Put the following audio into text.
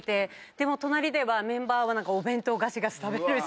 でも隣ではメンバーはお弁当がしがし食べるし。